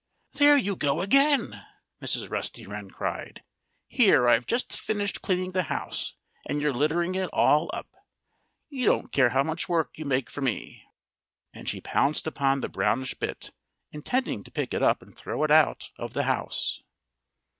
"There you go again!" Mrs. Rusty Wren cried. "Here I've just finished cleaning the house and you're littering it all up! You don't care how much work you make for me." And she pounced upon the brownish bit, intending to pick it up and throw it out of the house.